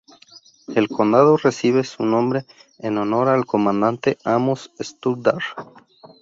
El condado recibe su nombre en honor al comandante Amos Stoddard.